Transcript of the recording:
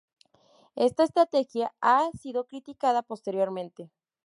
Esta estrategia ha sido criticada posteriormente.